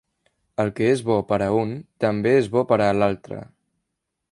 El que és bo per a un també és bo per a l'altre.